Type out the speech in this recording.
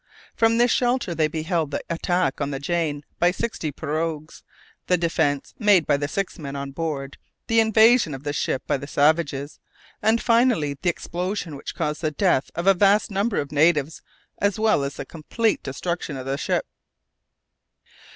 From this shelter they beheld the attack on the Jane by sixty pirogues, the defence made by the six men on board, the invasion of the ship by the savages, and finally the explosion which caused the death of a vast number of natives as well as the complete destruction of the ship.